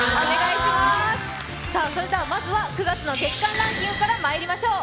まずは、９月の月間ランキングからまいりましょう。